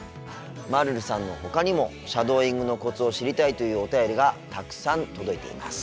まるるさんのほかにもシャドーイングのコツを知りたいというお便りがたくさん届いています。